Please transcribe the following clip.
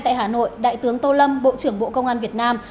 tại hà nội đại tướng tô lâm bộ trưởng bộ công an việt nam